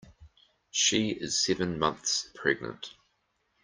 She is seven months pregnant.